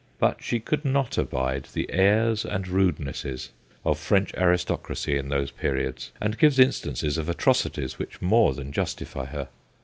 But she could not abide the airs and rudenesses of French aristocracy in those periods, and gives instances of atrocities which more than justify her.